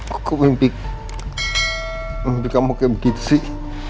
kok mimpi kamu kayak begitu sih